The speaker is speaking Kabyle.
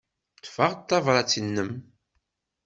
Ḍḍfeɣ-d tabṛat-nnem.